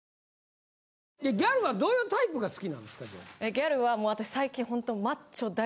ギャルは私最近ほんと。